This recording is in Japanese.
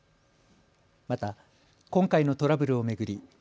また今回のトラブルを巡り